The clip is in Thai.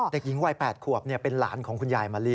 เด็กหญิงวัย๘ขวบเป็นหลานของคุณยายมะลิ